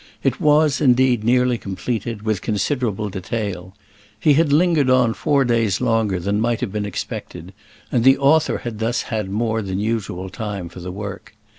It was, indeed, nearly completed, with considerable detail. He had lingered on four days longer than might have been expected, and the author had thus had more than usual time for the work.